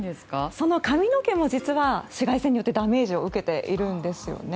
その髪の毛も実は紫外線によってダメージを受けているんですよね。